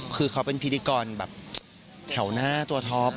คือเขาเป็นพิธีกรแบบแถวหน้าตัวท็อป